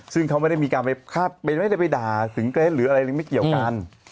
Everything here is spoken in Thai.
ซึ่งเขาไม่ได้มีการไปไม่ได้ไปด่าถึงเกรทหรืออะไรไม่เกี่ยวกัน